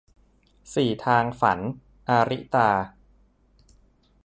สี่ทางฝัน - อาริตา